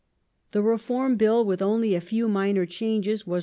The Reform Bill, with only a few minor changes, was 2.